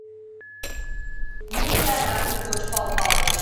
— Ну, тый адак тӱргоч, Пал Палыч!